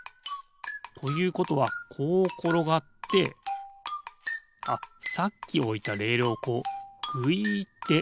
ということはこうころがってあっさっきおいたレールをこうぐいっておすのかな？